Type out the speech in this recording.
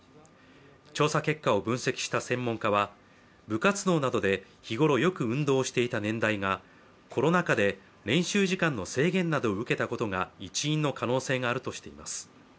調査結果を分析した専門家は、部活動などで日頃よく運動をしていた年代がコロナ禍で練習時間の制限などを受けたことが一因の可能性があるとしています。